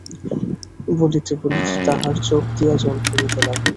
বলিতে বলিতে তাঁহার চোখ দিয়া জল পড়িতে লাগিল।